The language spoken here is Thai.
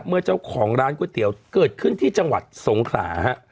เมื่อเจ้าของร้านก๋วยเตี๋ยวเกิดขึ้นที่จังหวัดสงขลาฮะ